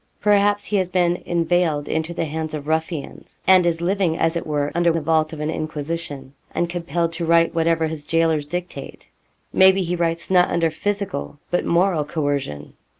Perhaps he has been inveigled into the hands of ruffians, and is living as it were under the vault of an Inquisition, and compelled to write what ever his gaolers dictate. Maybe he writes not under physical but moral coercion.